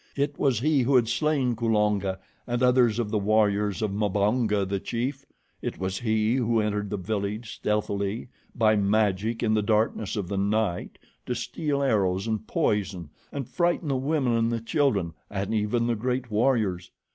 It was he who had slain Kulonga and others of the warriors of Mbonga, the chief. It was he who entered the village stealthily, by magic, in the darkness of the night, to steal arrows and poison, and frighten the women and the children and even the great warriors.